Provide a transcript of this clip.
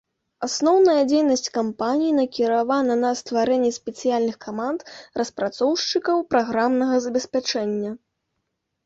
Асноўная дзейнасць кампаніі накіравана на стварэнне спецыяльных каманд распрацоўшчыкаў праграмнага забеспячэння.